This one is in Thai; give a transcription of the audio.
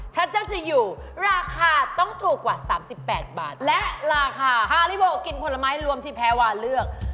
ถ้าเจ้าจะอยู่ราคาต้องถูกกว่า๓๘บาทและราคาฮาริโวกินผลไม้รวมที่แพรวาเลือก